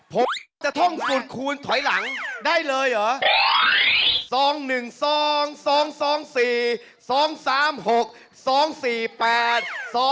ผมจะท่องสูตรคูณถอยหลังได้เลยเหรอ